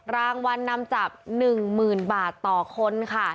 รางวัลนำจับ๑๐๐๐บาทต่อคนค่ะ